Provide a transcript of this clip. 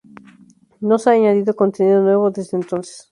No se ha añadido contenido nuevo desde entonces.